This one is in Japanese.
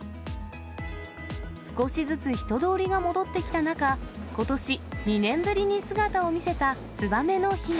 少しずつ人通りが戻ってきた中、ことし、２年ぶりに姿を見せたツバメのひな。